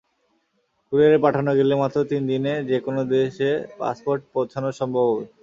কুরিয়ারে পাঠানো গেলে মাত্র তিন দিনে যেকোনো দেশে পাসপোর্ট পৌঁছানো সম্ভব হবে।